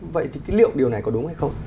vậy thì liệu điều này có đúng hay không